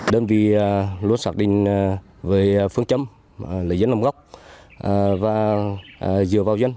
đơn vị luôn xác định về phương chấm lấy dân nằm góc và dựa vào dân